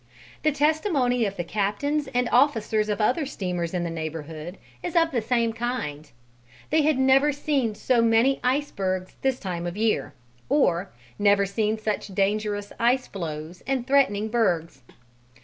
The testimony of the captains and officers of other steamers in the neighbourhood is of the same kind: they had "never seen so many icebergs this time of the year," or "never seen such dangerous ice floes and threatening bergs."